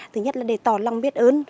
thứ nhất là để tỏ lòng biết ơn